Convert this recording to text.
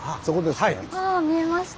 そこですね。